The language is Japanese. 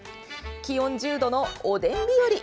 気温１０度のおでん日和。